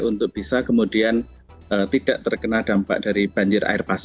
untuk bisa kemudian tidak terkena dampak ini